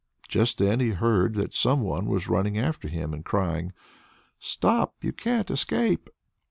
Just then he heard that some one was running after him, and crying: "Stop! you can't escape!"